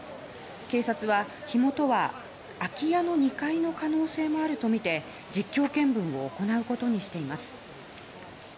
警察は、火元は空き家の２階の可能性もあるとみて実況見分を行うことにしています。